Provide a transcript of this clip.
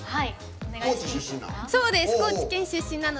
高知出身なん？